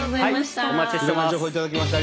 お待ちしてます。